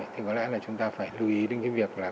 thì có lẽ là chúng ta phải lưu ý đến cái việc là